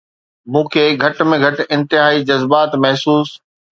مون کي گهٽ ۾ گهٽ انتهائي جذبات محسوس